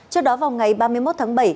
trước đó vào ngày ba mươi một tháng bảy